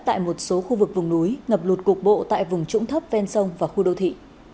tại một số khu vực vùng núi ngập lụt cục bộ tại vùng trũng thấp ven sông và khu đô thị